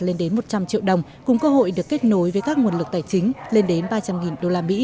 lên đến một trăm linh triệu đồng cùng cơ hội được kết nối với các nguồn lực tài chính lên đến ba trăm linh đô la mỹ